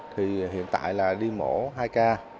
thì hiện tại là đi mổ hai ca